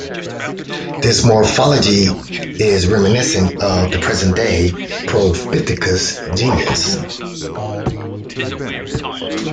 This morphology is reminiscent of the present day "Propithecus" genus.